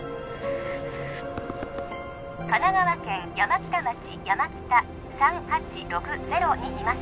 神奈川県山北町山北３８６０にいます